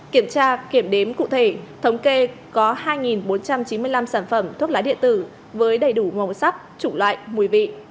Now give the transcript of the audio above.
kiểm tra kiểm đếm cụ thể thống kê có hai bốn trăm chín mươi năm sản phẩm thuốc lá điện tử với đầy đủ màu sắc chủng loại mùi vị